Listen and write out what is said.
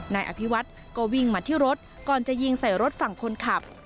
นายอภิวัฒน์ก็วิ่งมาที่รถก่อนจะยิงใส่รถฝั่งคนขับ